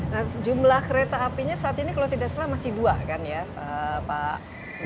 nah jumlah kereta apinya saat ini kalau tidak salah masih dua kan ya pak